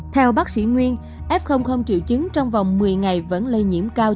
theo bác sĩ nguyên f triệu chứng trong vòng một mươi ngày vẫn lây nhiễm cao